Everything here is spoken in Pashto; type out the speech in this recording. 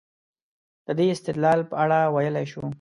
د دې استدلال په اړه ویلای شو.